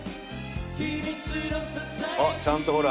あちゃんとほら。